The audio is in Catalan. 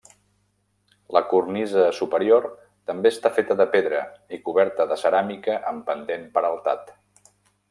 La cornisa superior també està feta de pedra i coberta de ceràmica amb pendent peraltat.